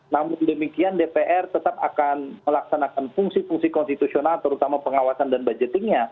namun demikian dpr tetap akan melaksanakan fungsi fungsi konstitusional terutama pengawasan dan budgetingnya